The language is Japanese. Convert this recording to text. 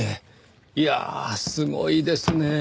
いやあすごいですねぇ。